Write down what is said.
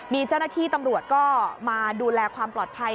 มีเจ้าหน้าที่ตำรวจก็มาดูแลความปลอดภัย